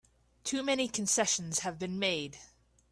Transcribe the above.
Too many concessions have been made!